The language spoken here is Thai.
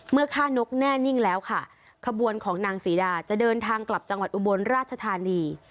เมื่อฆ่านกแน่นิ่งแล้วค่ะขบวนของนางศรีดาจะเดินทางกลับจังหวัดอุบลราชธานี